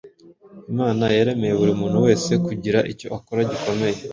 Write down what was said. Imana yaremeye buri muntu wese kugira icyo akora gikomeye.